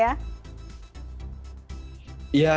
ya kalau temen sih semua bergabung